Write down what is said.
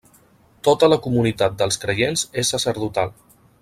Tota la comunitat dels creients és sacerdotal.